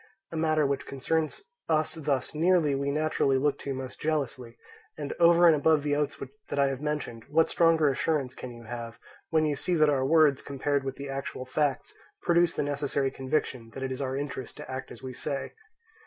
A matter which concerns us thus nearly we naturally look to most jealously; and over and above the oaths that I have mentioned, what stronger assurance can you have, when you see that our words, compared with the actual facts, produce the necessary conviction that it is our interest to act as we say?